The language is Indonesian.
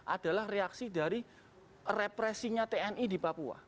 adalah reaksi dari represinya tni di papua